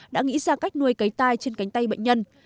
đã nghĩ ra cách nuôi cấy tai trên cánh tay bệnh nhân